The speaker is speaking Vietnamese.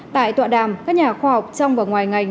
tại tọa đàm các nhà khoa học trong và ngoài ngành